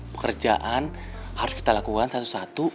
pekerjaan harus kita lakukan satu satu